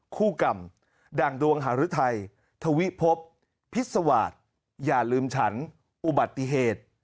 คู่กรรมด่างดวงหาฤทัยถวิพบพิศวาสอย่าลืมฉันอุบัติเหตุ